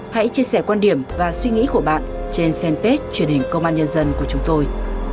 hãy chia sẻ quan điểm và suy nghĩ của bạn trên fanpage truyền hình công an nhân dân của chúng tôi